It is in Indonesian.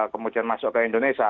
kemudian masuk ke indonesia